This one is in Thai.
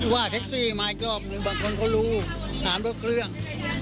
ว่าแท็กซี่มาอีกรอบนึงบางคนเขารู้ถามว่าเครื่อง